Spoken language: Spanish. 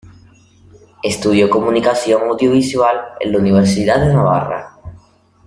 Estudió Comunicación Audiovisual en la Universidad de Navarra.